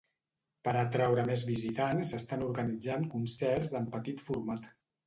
Per atraure més visitants s'estan organitzant concerts en petit format.